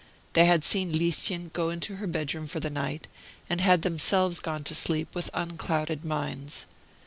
They had seen Lieschen go into her bedroom for the night, and had themselves gone to sleep with unclouded minds.